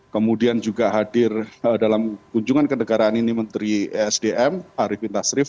kemudian juga hadir dalam kunjungan ke negaraan ini menteri esdm arifin tasrif